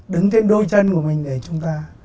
đứng trên đôi chân của mình để chúng ta